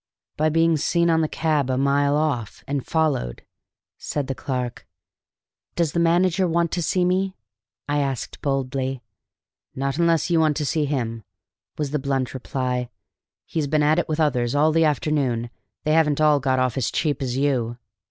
"By being seen on the cab a mile off, and followed," said the clerk. "Does the manager want to see me?" I asked boldly. "Not unless you want to see him," was the blunt reply. "He's been at it with others all the afternoon, and they haven't all got off as cheap as you."